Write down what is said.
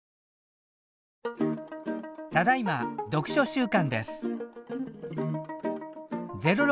ただいま読書週間です。